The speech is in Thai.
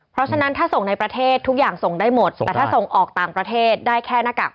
เพราะฉะนั้นถ้าส่งในประเทศทุกอย่างส่งได้หมดแต่ถ้าส่งออกต่างประเทศได้แค่หน้ากาก